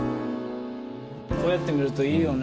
こうやって見るといいよね。